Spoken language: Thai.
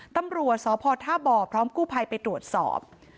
ตำรวจสพท่าบ่อพร้อมกู้ภัยไปตรวจสอบ